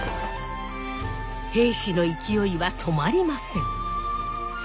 平氏の勢いは止まりません。